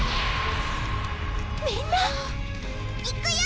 ・みんな！いくよ！